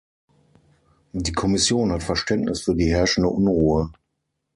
Die Kommission hat Verständnis für die herrschende Unruhe.